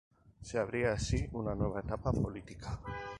Se abría así una nueva etapa política.